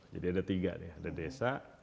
jadi ada tiga nih ada desa